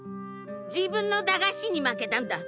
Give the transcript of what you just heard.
自分の駄菓子に負けたんだ。